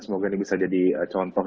semoga ini bisa jadi contoh